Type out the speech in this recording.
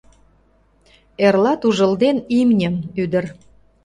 Эрлат, ужылден имньым, ӱдыр